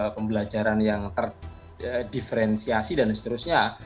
pembelajaran yang terdiferensiasi dan seterusnya